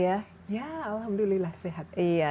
ya alhamdulillah sehat